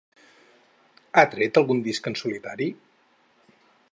Ha tret algun disc en solitari?